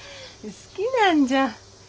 好きなんじゃ。